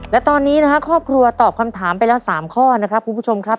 และตอนนี้นะครับครอบครัวตอบคำถามไปแล้ว๓ข้อนะครับคุณผู้ชมครับ